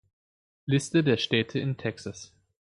Liste der Städte in Texas